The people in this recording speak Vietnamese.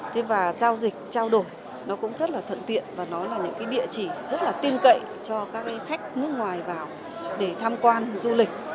thế và giao dịch trao đổi nó cũng rất là thuận tiện và nó là những cái địa chỉ rất là tin cậy cho các khách nước ngoài vào để tham quan du lịch